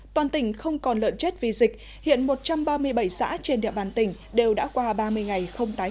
toàn tỉnh không còn lợn chết vì dịch hiện một trăm ba mươi bảy xã trên địa bàn tỉnh đều đã qua ba mươi ngày không tái